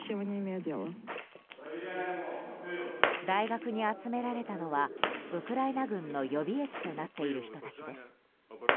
大学に集められたのはウクライナ軍の予備役となっている人たちです。